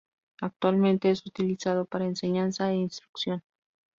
Actualmente es utilizado para enseñanza e instrucción.